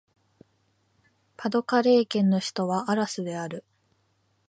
パ＝ド＝カレー県の県都はアラスである